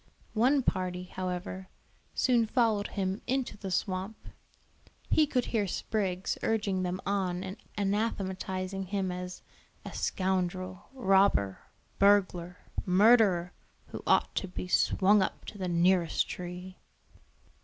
One party, however, soon followed him into the swamp. He could hear Spriggs urging them on and anathematizing him as "a scoundrel, robber, burglar, murderer, who ought to be swung up to the nearest tree."